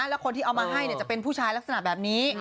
แล้วคนที่เอามาให้จะเป็นผู้ชายลักษณะแบบนี้